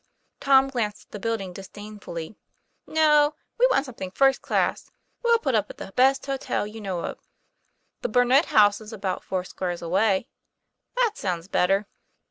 Tom glanced at the building disdainfully. 'No; we want something first class. We'll put up at the best hotel you know of." "The Burnet House is about foursquares away." "That sounds better."